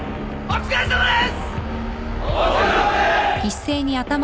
お疲れさまです！